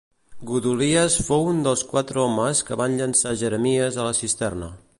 Godolies fou un dels quatre homes que van llançar Jeremies a la cisterna.